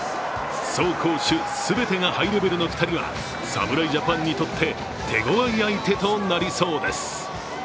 走攻守全てがハイレベルの２人は侍ジャパンにとって手ごわい相手となりそうです。